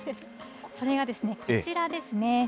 それがですね、こちらですね。